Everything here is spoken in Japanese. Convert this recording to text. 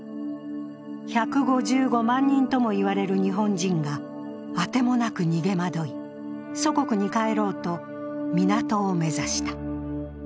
１５５万人ともいわれる日本人が当てもなく逃げまどい祖国に帰ろうと、港を目指した。